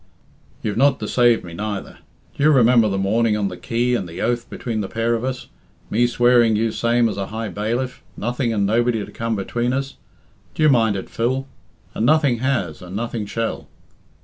You've not deceaved me neither. D'ye remember the morning on the quay, and the oath between the pair of us? Me swearing you same as a high bailiff nothing and nobody to come between us d'ye mind it, Phil? And nothing has, and nothing shall."